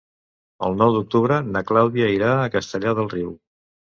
El nou d'octubre na Clàudia irà a Castellar del Riu.